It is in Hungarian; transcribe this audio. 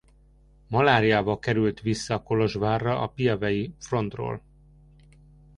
Maláriával került vissza Kolozsvárra a piavei frontról.